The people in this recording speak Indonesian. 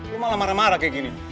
gue malah marah marah kayak gini